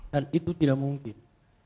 dan itu tidak mungkin